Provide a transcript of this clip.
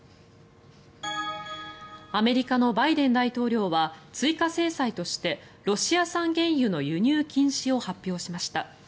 アメリカのバイデン大統領は追加制裁としてロシア産原油の輸入禁止を発表しました。